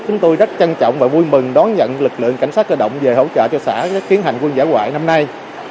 chúng tôi rất trân trọng và vui mừng đón nhận lực lượng cảnh sát cơ động về hỗ trợ cho xã khiến hành quân giả quại năm nay